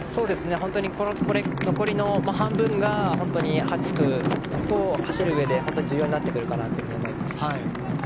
本当に残りの半分が８区、ここを走るうえで本当に重要になってくるかなと思います。